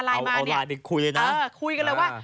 เอาไลน์ไปคุยเลยนะ